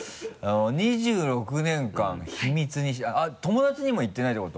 ２６年間秘密にしてあっ友だちにも言ってないってこと？